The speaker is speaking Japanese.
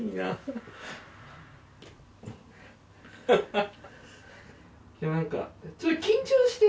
ハハハ。